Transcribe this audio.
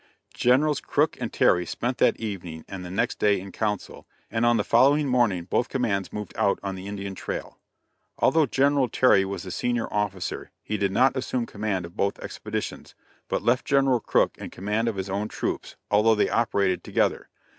Generals Crook and Terry spent that evening and the next day in council, and on the following morning both commands moved out on the Indian trail. Although General Terry was the senior officer, he did not assume command of both expeditions, but left General Crook in command of his own troops, although they operated together.